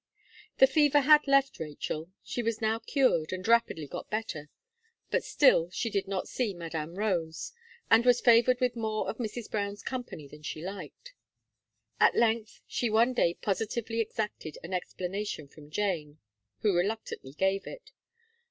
The fever had left Rachel. She was now cured, and rapidly got better; but still, she did not see Madame Rose, and was favoured with more of Mrs. Brown's company than she liked. At length she one day positively exacted an explanation from Jane, who reluctantly gave it.